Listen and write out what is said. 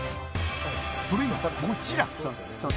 それがこちら。